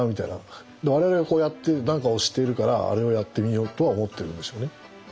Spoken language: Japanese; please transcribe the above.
我々がこうやって何か押しているからあれをやってみようとは思ってるんでしょうね。